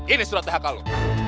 ini surat hak lo